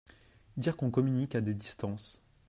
Dire qu’on communique à des distances !…